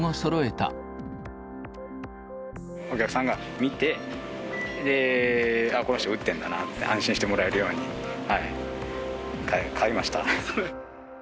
お客さんが見て、あっ、この人打ってんだなって、安心してもらえるように買いました。